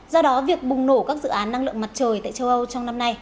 do đó việc bùng nổ các dự án năng lượng mặt trời tại châu âu trong năm nay